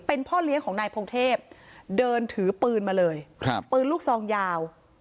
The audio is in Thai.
เป็นพ่อเลี้ยงของนายพงเทพเดินถือปืนมาเลยครับปืนลูกซองยาว